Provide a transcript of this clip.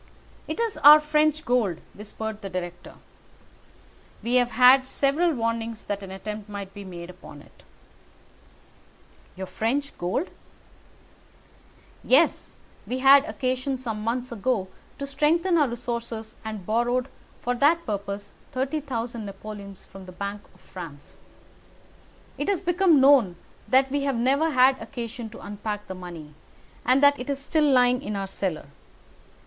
"It is our French gold," whispered the director. "We have had several warnings that an attempt might be made upon it." "Your French gold?" "Yes. We had occasion some months ago to strengthen our resources and borrowed for that purpose 30,000 napoleons from the Bank of France. It has become known that we have never had occasion to unpack the money, and that it is still lying in our cellar.